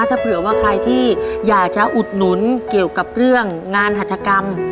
ถ้าเผื่อว่าใครที่อยากจะอุดหนุนเกี่ยวกับเรื่องงานหัฐกรรม